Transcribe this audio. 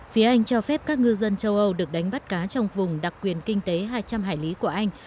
phía anh cho phép các ngư dân châu âu được đánh bắt cá trong vùng đặc quyền kinh tế hai trăm linh hải lý của anh